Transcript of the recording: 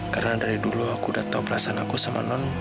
karena dari dulu aku udah tahu perasaan aku sama non